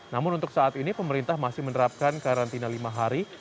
namun untuk saat ini pemerintah masih menerapkan karantina lima hari